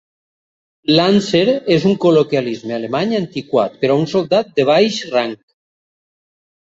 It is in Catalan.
"Landser" és un col·loquialisme alemany antiquat per a un soldat de baix rang.